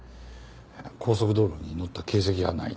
高速道路にのった形跡はない。